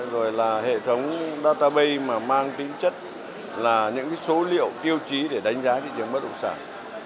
rồi là hệ thống databay mà mang tính chất là những số liệu tiêu chí để đánh giá thị trường bất động sản